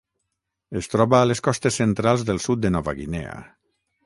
Es troba a les costes centrals del sud de Nova Guinea.